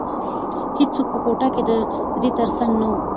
هیڅوک په کوټه کې د ده تر څنګ نه وو.